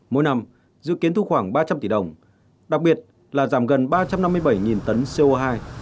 mỗi năm dự kiến thu khoảng ba trăm linh tỷ đồng đặc biệt là giảm gần ba trăm năm mươi bảy tấn co hai